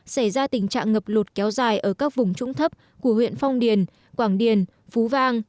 xảy ra tình trạng ngập lụt kéo dài ở các vùng trũng thấp của huyện phong điền quảng điền phú vang